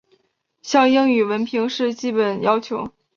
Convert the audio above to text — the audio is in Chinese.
像英语文凭是基本要求。